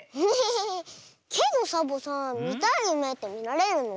けどサボさんみたいゆめってみられるの？